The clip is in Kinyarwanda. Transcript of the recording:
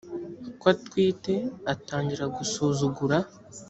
ko atwite atangira gusuzugura